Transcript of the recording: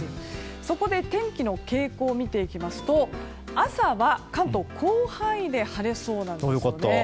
そこで天気の傾向を見ていきますと朝は、関東広範囲で晴れそうなんですよね。